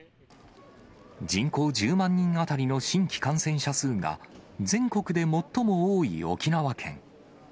人口１０万人当たりの新規感染者数が全国で最も多い沖縄県。